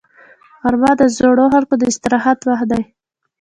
غرمه د زړو خلکو د استراحت وخت دی